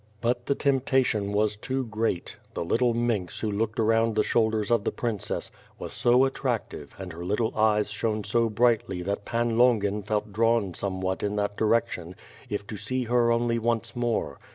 But the temptation was too great. "The little minx who looked around the shoulders of the princess, was so attractive and her little eyes shone so brightly that Pan Longin felt drawn somewhat in that direction, if to see her only once more.